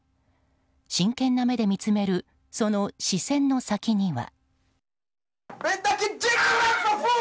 真剣な目で見つめるその視線の先には。